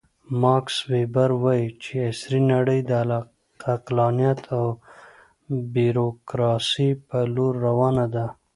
ماکس ویبر وایي چې عصري نړۍ د عقلانیت او بیروکراسۍ په لور روانه ده.